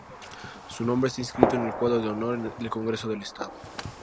Su nombre está inscrito en el cuadro de honor del Congreso del Estado.